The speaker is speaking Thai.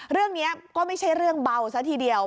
เรื่องนี้ก็ไม่ใช่เรื่องเบาซะทีเดียว